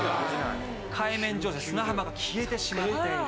海面上昇で砂浜が消えてしまっている。